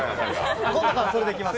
今度からそれで来ます。